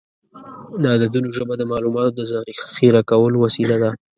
د عددونو ژبه د معلوماتو د ذخیره کولو وسیله ده.